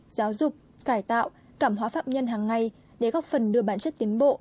giáo dục cải tạo cảm hóa phạm nhân hàng ngày để góp phần đưa bản chất tiến bộ